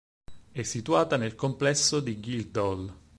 È situata nel complesso di Guildhall.